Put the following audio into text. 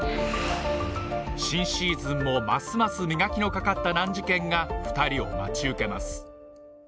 新シーズンもますます磨きのかかった難事件が２人を待ち受けます